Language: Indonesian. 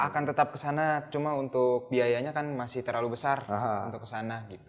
akan tetap ke sana cuma untuk biayanya kan masih terlalu besar untuk ke sana